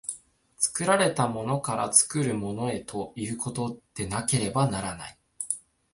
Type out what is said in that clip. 作られたものから作るものへということでなければならない。